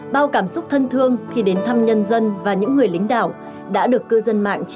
bao cảm xúc thân thương khi đến thăm nhân dân và những người lính đảo đã được cư dân mạng chia sẻ